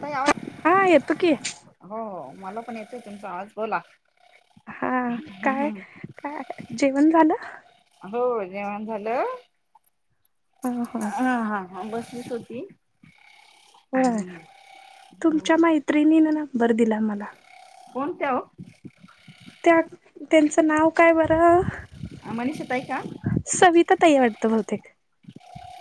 ताई आवाज हा येतो की [unintelligible] मला पण येतंय तुमचा आवाज बोला. हां काय काय जेवण झालं? हो जेवण झालं. ह ह हां हां हां बस [unintelligible] होती. होय तुमच्या मैत्रिणीन नं बर दिला मला. कोणत्या ओ? त्या त्यांचं नाव काय बरं? मनीषा ताई का? सविता ताई हात वाटतं बहुतेक.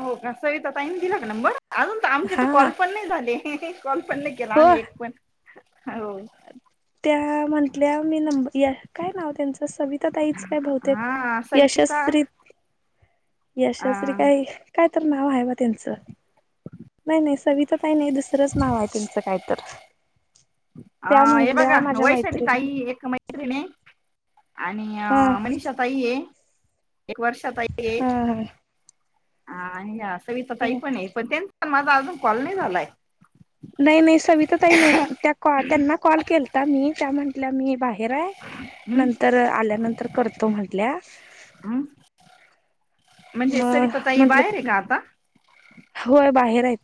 हो का सविता ताईनी दिला का नंबर. अजून तर. आमचे तर. हा कॉल पण नाही झाले. [unintelligible] कॉल पण नाहीं केला हो एक पण. अ त्या म्हटल्या मी नंबर या काय नाव त्यांच सवि तईच काय बते हा सविता यशस्वी अ यशस््री काही काय तर नाव आहे, बा त्यांचं नाही नाही सविता काही नाही दुसरंच नाव आहे त्यांचं काय. पठ [unintelligible] हह हे बघ वैशंडी मैत्रिणी ताई एकका मैत्रीने. आणि हा मनीषा ताई ये. एक वर्षात हा [unintelligible] हा नि ह [unintelligible] पण आहे पण त्यां. पण माझा अजून कॉलनी झालाय. नाही नाही सविता तही नाही, त्याॉ त्यांना कॉल केलता मी त्या म्हण मी बा [unintelligible] हेय हम्म नंतर आल्यानंतर करतो म्हटल्या. हम्म म्हणजे सवितातााई बाहेर आहे का आता. [inaudible] होय बाहेर यच [unintelligible]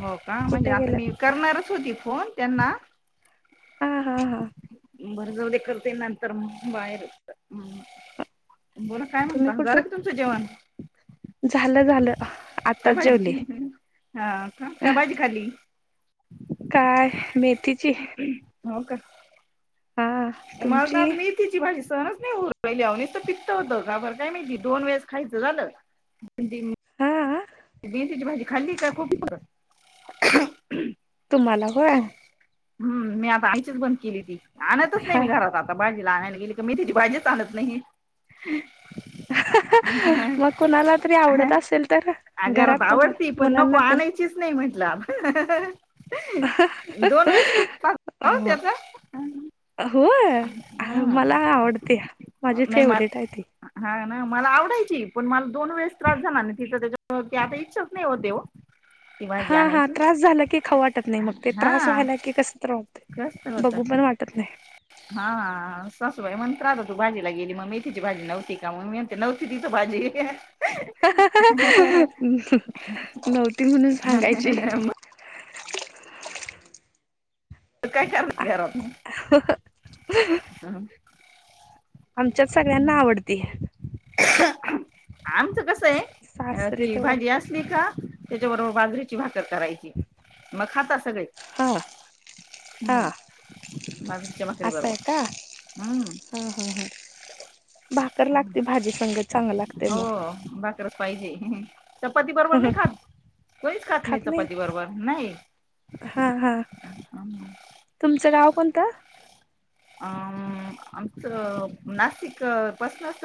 हो का म्हणजे आता मी करणारच होती फोन त्यांना. हा हा हा. बर जाऊले करते नंतर बाहेर. बोला काय तुम्ही म्हणता जरा का कुठून तुमचं जेवण. झालं झालं. त्या आताच जेवले. भाजी हा का काय भाजी खाली. काय, मेथीची हो का! हा तुमची मालद मी तिची भा. सह नाहीवणीच पित्त होतं घाबर काय दोन वेळेस खायचं झालं. हा बेसची भाजी खाल्ली काय खपी कर तुम्हाला होय हम् म्या बाईच बंद केली ती आणतच नाही हा मी घरात, आता भाजीला आणाय नाही मी तर मेथीची भाजीच आणत नाही, ही.... हं हं हं.... मग कुणाला तरी आवडत असेल तर या घरात कोणाला आवडती, पण नको मुलांना ते आणायचीच नाही म्हटलं... हं हं हं हं.... दोन वेळेस [unintelligible] हो त्याचा होय मला हम्म आवडते माझी नाही म फेवरेट आहे ती हा मला आवडायची पण मला दोन वेस त्रास झाला तिथं आता इच्छाच नाही होतं हा हा त्रास झाला की खाऊ वाटत नाही मग ते त्रास हा व्हायला की कस तर जास्त होतंय होत बघू पण वाटत नाही हा सासूबाई म्हण्र आता तू भाजीला गेली मग मेथीची भाजी नव्हती का मग मी म्हणते नव्हती तिथ भाजी नव्हती म्हणून सांगायची काय करणार घरात मग हम् [unintelligible] आमच्यात सगळ्यांना आवडती. ह आमचं कसं आहे सासरे ती तेवढा भाजी असली का. त्याच्याबरोबर बाजरीची भाकरी करायची मग खातात सगळे हा हा हम् बाजरीच्या भाकरी असं आहे बरोबर. का हा हा हा भाकर लागते भाजी संगत चांगली लागते हो मग भाकरच पाहिजे ह् चपाती बरोबर नाही खात कोणीच खात नाही चपाती बरोबर नाही. हा हा कोणता आमचं नाशिक पासूनच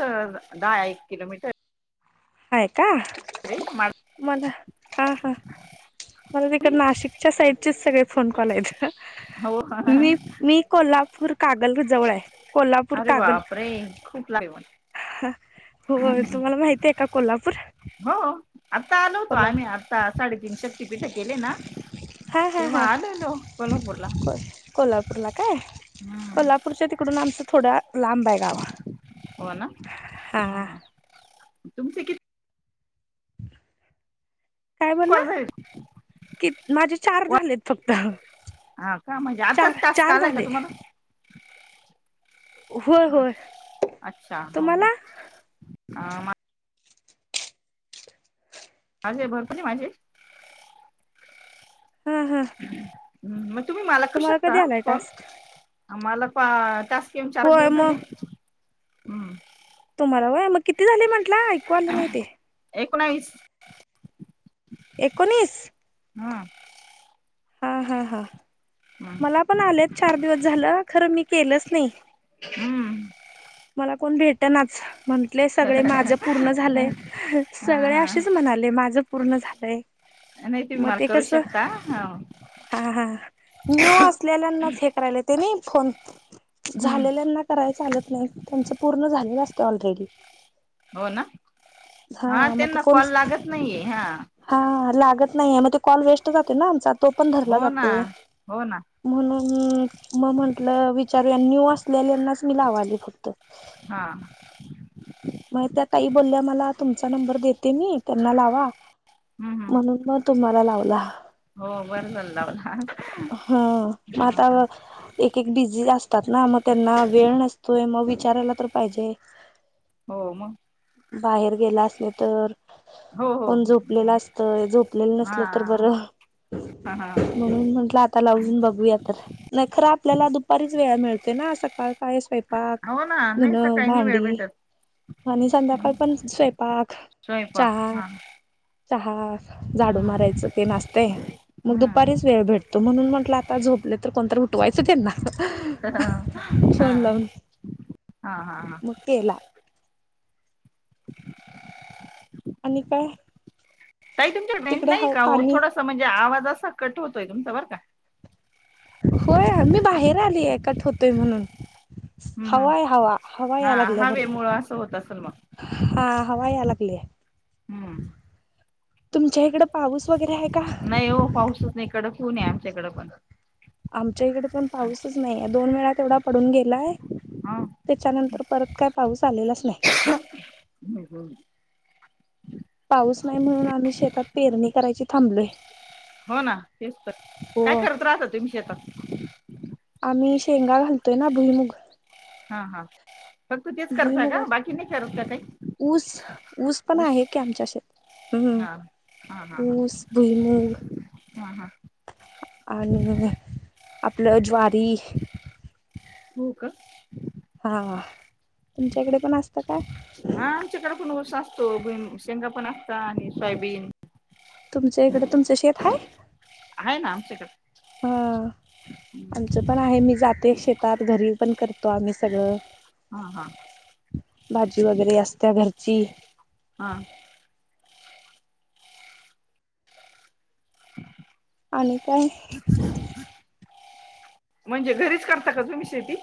दहा एक किलोमीटर आहे. हाय का मला हा हा मला तिकड नाशिकच्या साईडचेच सगळे फोन कॉल आहेत हो मी मी कॉल कोल्हापूर कागल जवळ आहे. कोल्हापूर अरे बापरे खूप लांबय. हो तुम्हाला माहती आहे का कोल्हापूर आता आलो होतो आम्ही कोल्हापूर आता साडेतीन शक्तीपीठ केले ना हा हा तेव्हा हा आलोलो कोल्हापूरला कोल्हापूरला हम्. थोडा लांब आहे गाव ना हा तुमचे किती काय बोलला कॉल झाले कि माझे चार झालेत फक्त हा का म्हणजे चार आताच टास्क चार आलाय का झाले. तुम्हाला होय होय [unintelligible] अच्छा हो हो तुम्हाला आ अजय भरपणी माझे हा हा हम्म. हम्म. तुम्हाला कधी आलाय टास्क आम्हाला पा त्यात म चार होय जीवली मग हम्म. तुम्हाला मग किती झाले. ऐकू आलं नाही ते एकोणावीस एकोणीस? हमम. हा हा हा. मला पण आलेत. चार दिवस झालं, खर मी- केलंच नाही. हम्म. हं. मला कोण भेटनाच- म्हंटलंय सगळ माझं पूर्ण झालंय. सगळे हा असेच म्हणाले माझं- पूर्ण झालंय. नाही तुम्ही म मला ते करू कस? शकता ह हा हा. न्यू असलेल्यांनाच हे करायला ते नाही- फोन. हम्म झालेल्यांना कराय सांगितलाय. तुमचं पूर्ण झालेलं असतं ऑल रेडी. हो ना हा हां, नाहीतर त्यांना कोणी कॉल [unintelligible] लागत नाहीये हा लागत नाहीये ना, तो कॉल वेस्ट जातो ना आमचा? तो पण धरला हो ना जातोय. हो ना हं हम्. म म्हंटलं, विचारू अन न्यू असलेल्यांनाच मी लावायले फक्त. हा. मग त्या ताई बोलल्या मला- तुमचा नंबर देते मी. त्यांना लावा- हम्म हम्म म्हणून मग - तुम्हाला लावला. हो बरं झाल लावला. हा हा. जे असतात ना? मग त्यांना वेळ नसतोय. मग विचारायला तर पाहिजे- हो. मग? बाहेर गेला असेल तर, हो हो कोण झोपलेला असतंय झोपलेलं हा नसलं तर बरं. हा म्हणून म्हंटलं आता लावून बघूयात. नाही खरं आपल्याला दुपारी वेळ मिळतो ना, सकाळ- सकाळी स्वयंपाक हो ना धुन, नाही सकाळी नाही वेळ भांडी भेटत आणि संध्या आपण स्वयंपाक- स्वयंपाक चहा- हा चहा. झाडू हम्म मारायचं तेन असतंय मग हम्म दुपारीच वेळ भेटतो. म्हणून म्हटलं आता झोपले तर कोणतरी उटवायचं त्यांना- हा हा हा फोन लावून हा हा. मग केला आणि काय? ताई तुमच्या कड रेंज तिकडे नाही ह का ओ. पाणी थोडस म्हणजे आवाजत. घसा कट होतोय तूमचा बर का. होय मी बाहेर आली आहे. कठ होत. तोय म्हणून. हम्म हम्म हवा-हाय. हवा. हवा हा या लागल्या भरपूर हवेमुळं असं होत असेल मग हा. हवा या लागलीया. हम्म. तुमच्या इकड पाऊस वगैरे आहे का नाही ओ पाऊसच नाही कडक. ऊन आहे आमच्याकडें पण. आमच्या इकडे पण पाऊसच नाही हाय. दोन-वेळा तेवढा पडून गेलाय. हा त्याच्यानंतर परत काय पाऊस आलेलाच नाही. हम्म, हम्म. पाऊस नाही म्हणून आम्ही शेतात पेरणी करायची थांबलोय. हो ना तेच तर काय हो करत राहता तुम्ही शेतात? आम्ही शेंगा घालतोय ना भुईमुग. हां हां. भुईमुगात ऊस ऊस पण आहे की आमच्या शेतात हम्म हा हा हा हम्म हा ऊस भुईमुग हा हा आणि आपलं ज्वारी हो का? हां तुमच्याकडे पण असतं का? हा आमच्याकडे पण ऊस असतो भुईम शेंगा पण असतं आणि सोयाबीन तुमच्याइकडं तुमचं शेत हाय? आहे ना आमच्याकडे हां हम्म. आमचं पण आहे मी जाते शेतात घरी पण कर तो आम्ही सगळं. हा हा भाजी वगैरे असत्या घर ची. हां. [inaudible] आणि काय? म्हणजे घरीच करता का तुम्ही शेती?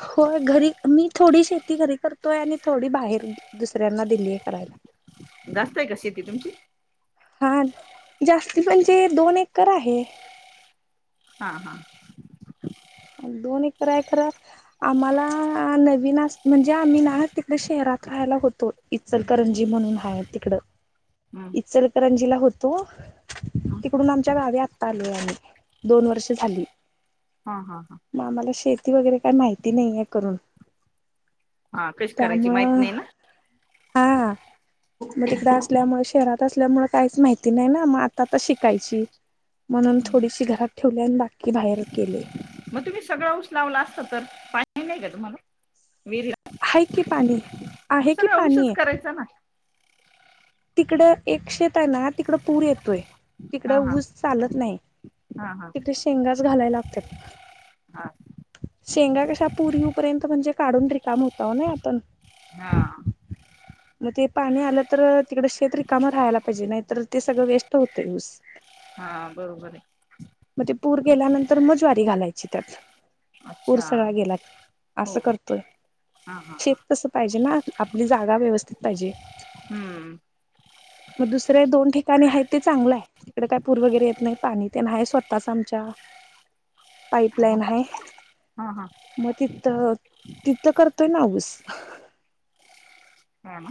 होय घरी मी थोडी शेती घरी करतोय आणि थोडी बाहेर दुसऱ्यांना दिलीय करायला. जास्त आहे का शेती तुमची? हां जास्ती म्हणजे दोन एकर आहे. हां हां. दोन एकर आहे खरं आम्हाला नवीन अस म्हणजे आम्ही ना तिकडे शहरात राहायला होतो, इचलकरंजी म्हणून आहे तिकडं हम्म. इचलकरंजीला होतो तिकडून आमच्या गावी आता आलो आम्ही दोन वर्ष झाली. हा हा हा मामला शेेत वगैरे काय माहिती नाही आहे करून. हा कशी करायची माहित नाही ना? हा हा मग हम्म. तिकड असल्यामुळे शहरात असल्यामुळे काहीच माहिती नाही ना, मग आता तर शिकायची म्हणून थोडीशी घरात ठेवली आणि बाकी बाहेर केले. सगळ ऊस लावला असत तर पाणी नाही का तुम्हाला विहरीत हाय क पाणी. मग आहे की सगळ ऊसच करायचं ना. तिकड एक शेत आहे ना, तिकड पूर येतोय. तिकड हा हा ऊस चालत नाही हा हा तिकडे शेंगच घालायला हा [inaudible] शेंगा कशा पुरीपर्यंत म्हणजे काढून रिक काम होत ना आपण. हा. मग तेपाणी अल तर तिकडं शेत रिकाम राहायला पाहिजे नाहीतर, सगळं वेस्ट होतोय ऊस. हा बरोबर आहे मग ते पूर गेल्यानंतर मग ज्वारी घालायची. त्याचच पूर अच्छा सगळा गेला हो असं हो करतोय हा हा हा शेफ तस पाहिजे ना, आपली जागा व्यवस्थित पाहिजे, हम्म. मग दुसरे दोन ठिकाणी आहेत ते चांगलं आहे. इडे काय पूर वगैरे येत नाही पाणी ते नाही स्वतःचं आमच्या पाईपलाईन आहे. हा हा मग तिथ तिथथं कर पण हा ऊस ह ना.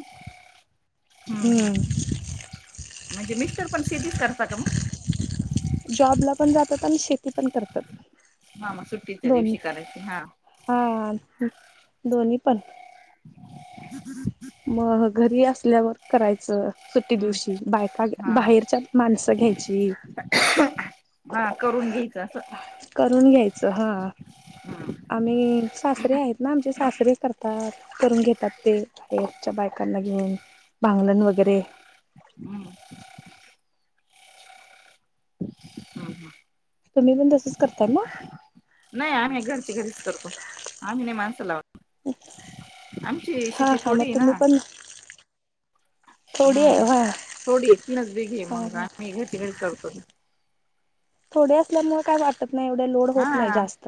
ह ह हम्म म्हणजे मिस्टर पण शेतीच करता [inaudible] जॉबला पण जातात आणि शेती पण करतात. हा म सुट्टीच्या दिवशी दोन्ही कारायचं हा. हा दोन्ही पण. मग घरी असल्यावर करायचं सुट्टी हम्म. दिवशी बायक का हा बाहेरच्या माणसं घ्यायची छी. हा करून घ्यायचं असं करून घ्यायचं हा हम्म. आम्ही सासरे आहेत ना, आमचे सासरे करतात करून घेतात ते च्या बायकांना घेऊन भांगलण वगैरे हम्म, हम्म, तुम्ही पण तसंच करताय मग? नाही आम्ही घरच्या घरीच करतो आम्ही नाही माणसं लावत आमची हा शेती हा मग थोडी आहे ना, तुम्ही पण थोडी आहे हम् व्हय थोडी एक तीनच बेघे हा मग हा आम्ही घरची घरी करतो. ब. थोडे असल्यामुळे काय वाटत नाही एवढं लोड हा होत नाही जास्त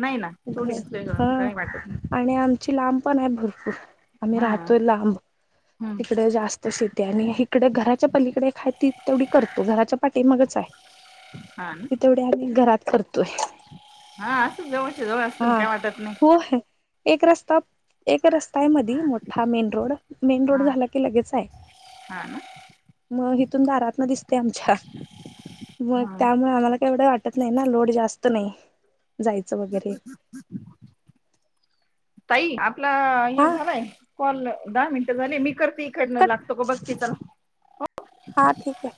नाही ना थोडी घ असल्या हं काही वाटत नाही. आणि आम ची लांब पण आहे भरपूर. आम्ही हम्म राहतोय लांब. हम्म तिकडे जास्त शेती आणि हिकडे घराच्या पलीकडे एक हाय ती तेवढी करतो घराच्या पाठीमागच आहे ती तेवढी आम्ही घरात कर हां असंच जवळच्या जवळ असल म हा काय वाटत नाही. होय एक रस्ता एक रस्ताय मधी मोठा मेन रोड. हा झाला की लगेच आहे हा ना मग हिथून दारातनं दिसतंय आमच्या मग हा त्यामुळं आम्हाला काय एवढं वा टत नाही ना लोड जास्त नाही. जायचं [inaudible] वगैरे ताई आपलं हे हा झालंय कॉल दहा मिनटं झाले मी कर ते इकडनं कट लागतो का बघते चला. हा ठीक आहे